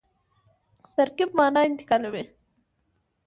ترکیب مانا انتقالوي.